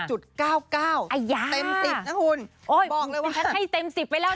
๙๙๙จิกเต็มสิบนะคุณ